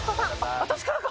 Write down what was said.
私からか！